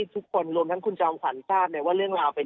ทุกคนรวมทั้งคุณจอมขวัญทราบเนี้ยว่าเรื่องราวเป็น